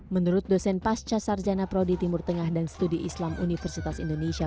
menurut dosen pasca sarjana prodi timur tengah dan studi islam universitas indonesia